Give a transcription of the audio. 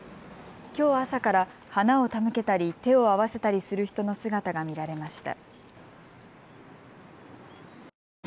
きょう朝から花を手向けたり手を合わせたりする人の姿が見られました。